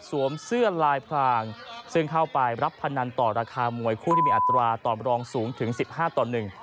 เสื้อลายพรางซึ่งเข้าไปรับพนันต่อราคามวยคู่ที่มีอัตราตอบรองสูงถึงสิบห้าต่อหนึ่ง